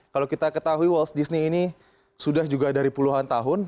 kalau kita ketahui walt disney ini sudah juga dari puluhan tahun